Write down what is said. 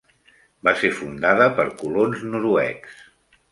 Va ser fundada per colons noruecs.